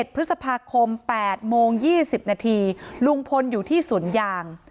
พฤษภาคม๘โมง๒๐นาทีลุงพลอยู่ที่สวนยาง